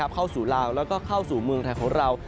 เข้าสู่ลาวแล้วก็เข้าสู่เมืองไทยของเรา